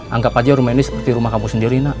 anggap aja rumah ini seperti rumah kamu sendiri nak